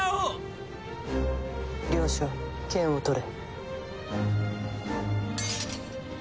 両者剣を取れ。